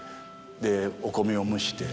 お米を蒸して。